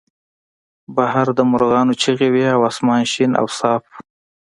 بهر د مرغانو چغې وې او اسمان شین او صاف و